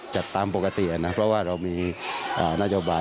จัดตามปกตินะเพราะว่าเรามีหน้าโยบาล